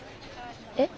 えっ？